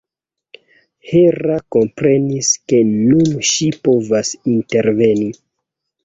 Hera komprenis, ke nun ŝi povas interveni.